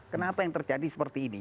kenapa yang terjadi seperti ini